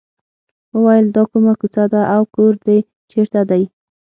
وویل دا کومه کوڅه ده او کور دې چېرته دی.